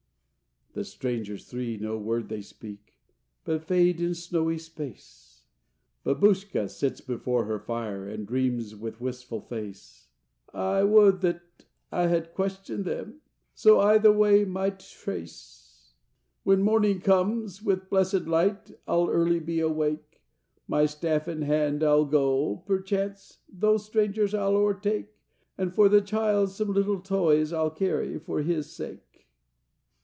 The strangers three, no word they speak, But fade in snowy space! Babushka sits before her fire, And dreams, with wistful face: "I would that I had questioned them, So I the way might trace! "When morning comes with blessèd light, I'll early be awake; My staff in hand I'll go, perchance, Those strangers I'll o'ertake; And, for the Child some little toys I'll carry, for His sake."